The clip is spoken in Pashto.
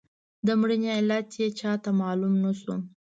د مړینې علت یې چاته معلوم نه شو.